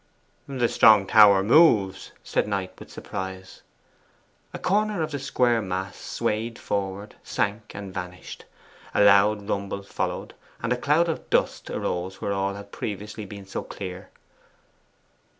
'The strong tower moves,' said Knight, with surprise. A corner of the square mass swayed forward, sank, and vanished. A loud rumble followed, and a cloud of dust arose where all had previously been so clear.